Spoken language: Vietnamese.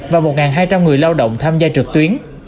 và một hai trăm linh người lao động tham gia trực tuyến